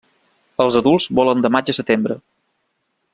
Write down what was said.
Els adults volen de maig a setembre.